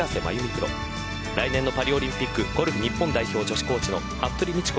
プロ来年のパリオリンピックゴルフ日本代表女子コーチの服部道子